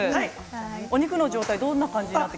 お肉の状態、どんな感じですか。